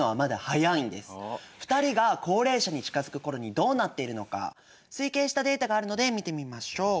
２人が高齢者に近づく頃にどうなっているのか推計したデータがあるので見てみましょう。